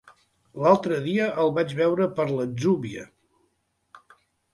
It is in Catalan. L'altre dia el vaig veure per l'Atzúbia.